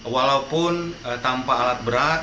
walaupun tanpa alat berat